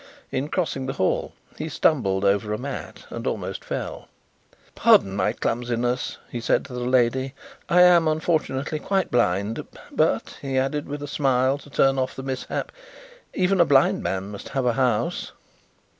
In crossing the hall he stumbled over a mat and almost fell. "Pardon my clumsiness," he said to the lady. "I am, unfortunately, quite blind. But," he added, with a smile, to turn off the mishap, "even a blind man must have a house."